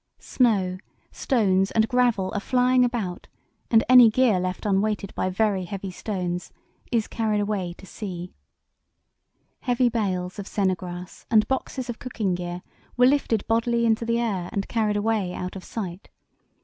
Snow, stones, and gravel are flying about, and any gear left unweighted by very heavy stones is carried away to sea." Heavy bales of sennegrass, and boxes of cooking gear, were lifted bodily in the air and carried away out of sight.